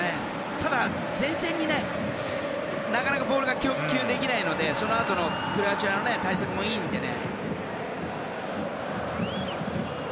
ただ、前線になかなかボールが供給できないのでそのあとのクロアチアの対策もいいのでね。